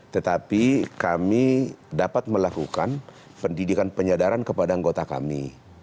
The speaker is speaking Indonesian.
tetapi kami dapat melakukan pendidikan penyadaran kepada anggota kami